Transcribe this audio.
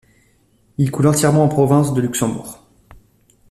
Il coule entièrement en province de Luxembourg.